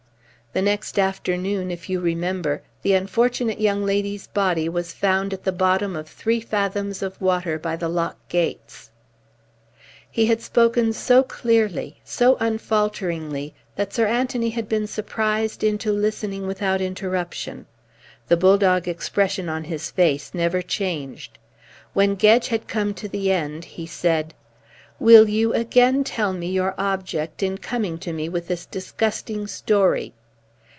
The next afternoon, if you remember, the unfortunate young lady's body was found at the bottom of three fathoms of water by the lock gates." He had spoken so clearly, so unfalteringly, that Sir Anthony had been surprised into listening without interruption. The bull dog expression on his face never changed. When Gedge had come to the end, he said: "Will you again tell me your object in coming to me with this disgusting story?"